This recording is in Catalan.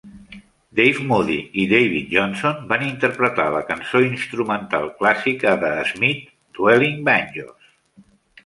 Dave Moody i David Johnson van interpretar la cançó instrumental clàssica de Smith "Dueling Banjos".